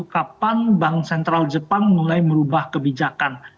kapan bank sentral jepang mulai merubah kebijakan